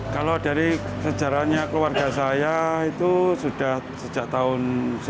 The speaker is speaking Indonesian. kalau dari sejarahnya keluarga saya itu sudah sejak tahun